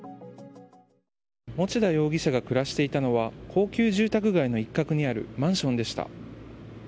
持田容疑者が暮らしていたのは高級住宅街の一角にあるマンションでした。